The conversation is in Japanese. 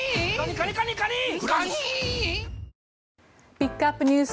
ピックアップＮＥＷＳ